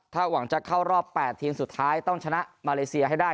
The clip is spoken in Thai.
ถ้าหวังจะเข้ารอบ๘ทีมสุดท้ายต้องชนะมาเลเซียให้ได้